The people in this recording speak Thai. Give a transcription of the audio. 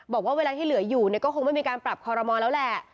บอกว่าเวลาที่เหลืออยู่เนี่ยก็คงไม่มีการปรับคอรมอลแล้วแหละ